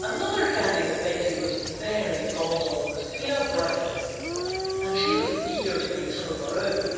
Another candy that Betsey was very fond of was peanut brittle, and she was eager to make some of her own.